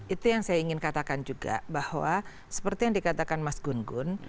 itu yang saya ingin katakan juga bahwa seperti yang dikatakan mas gun gun